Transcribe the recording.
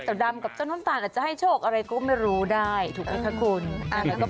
ดำกับเจ้าน้ำตาลอาจจะให้โชคอะไรก็ไม่รู้ได้ถูกไหมคะคุณ